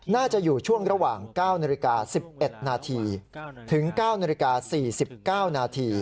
น่าจะอยู่ช่วงระหว่าง๙น๑๑นถึง๙น๔๙น